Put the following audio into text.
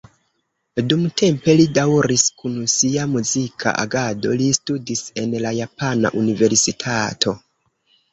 Dumtempe li daŭris kun sia muzika agado, Li studis en la Japana Universitato.